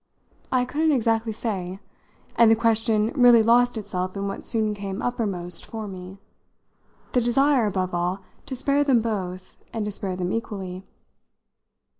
I couldn't exactly say, and the question really lost itself in what soon came uppermost for me the desire, above all, to spare them both and to spare them equally.